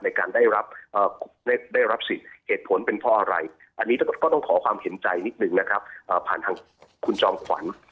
ได้รับได้รับสิทธิ์เหตุผลเป็นเพราะอะไรอันนี้ก็ต้องขอความเห็นใจนิดนึงนะครับผ่านทางคุณจอมขวัญ